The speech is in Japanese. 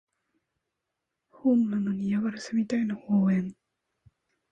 ホームなのに嫌がらせみたいな応援